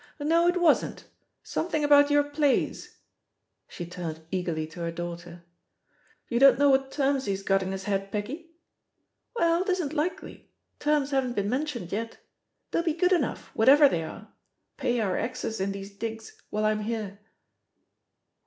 "No, it wasn't. Something about your plays 1" She turned eagerly to her daughter. "You don't know what terms he's got in his head, Peggy?'* "Well, 'tisn't likely; terms haven't been men tioned yet. They'D be good enough, whatever they are — pay our exes in these digs while I'm here."